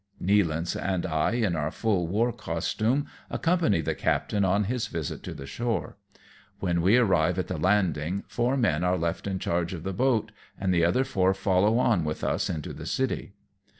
Nealance and I in our full war costume accompany the captain on his visit to the shore. When we arrive at the landing, four men are left in charge of the boat, and the other four follow on with us into the city.